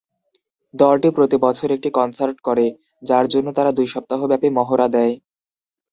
দলটি প্রতি বছর একটি কনসার্ট করে, যার জন্য তারা দুই সপ্তাহব্যাপী মহড়া দেয়।